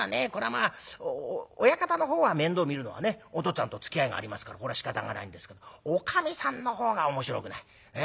まぁ親方のほうは面倒を見るのはねお父っつぁんとつきあいがありますからこれはしかたがないんですけどおかみさんのほうが面白くない。